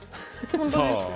本当ですよ。